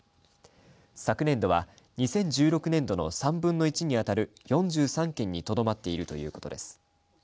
昨年度は２０１６年度の３分の１に当たる４３件にとどまっているということです。